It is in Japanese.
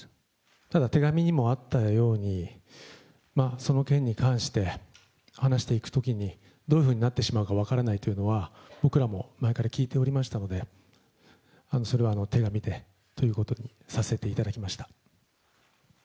ただ手紙にもあったように、その件に関して話していくときに、どういうふうになってしまうか分からないというのは、僕らも前から聞いておりましたので、それは手紙でということにさせていただきました。